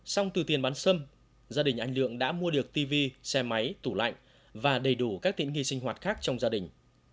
xong từ tiền bán sâm gia đình anh lượng đã mua được tv xe máy tủ lạnh và đầy đủ các tiện nghi sinh hoạt khác trong gia đình